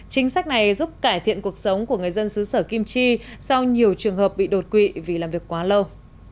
chính sách này giúp cải thiện cuộc sống của người dân xứ sở kim chi sau nhiều trường hợp bị đột quỵ vì làm việc quá lâu